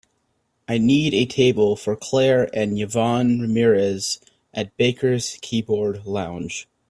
I need a table for clare and yvonne ramirez at Baker's Keyboard Lounge